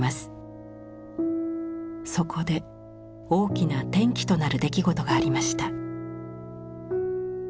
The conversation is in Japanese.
そこで大きな転機となる出来事がありました。